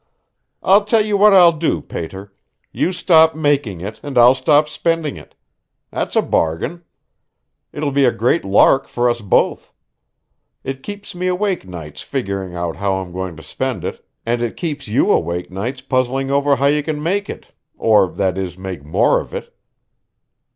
"I'll tell you what I'll do, pater you stop making it and I'll stop spending it. That's a bargain. It'll be a great lark for us both. It keeps me awake nights figuring out how I'm going to spend it and it keeps you awake nights puzzling over how you can make it or, that is, make more of it."